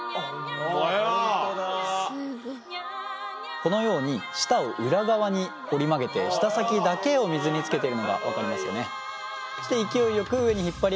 このように舌を裏側に折り曲げて舌先だけを水につけてるのが分かりますよね。